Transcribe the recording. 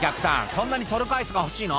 そんなにトルコアイスが欲しいの？」